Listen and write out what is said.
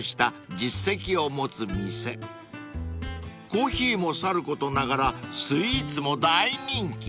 ［コーヒーもさることながらスイーツも大人気］